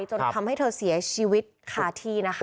จนทำให้เธอเสียชีวิตคาที่นะคะ